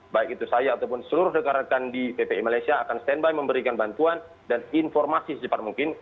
baik itu saya ataupun seluruh rekan rekan di ppi malaysia akan stand by memberikan bantuan dan informasi secepat mungkin